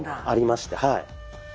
ありましてはい。